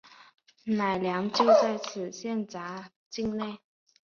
乃良就在此县辖境内。